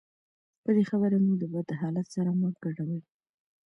بدې خبرې مو د بد حالت سره مه ګډوئ.